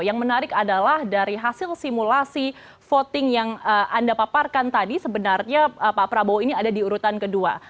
yang menarik adalah dari hasil simulasi voting yang anda paparkan tadi sebenarnya pak prabowo ini ada di urutan kedua